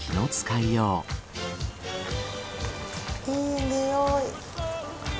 いいにおい。